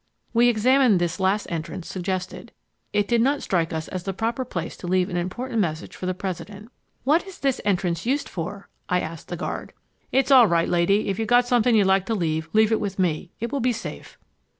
We examined this last entrance suggested. It, did not strike us as the proper place to leave an important message for the President. "What is this entrance used for?" I asked the guard. "It's all right, lady. If you've got something you'd like to leave, leave it with me. It will be safe."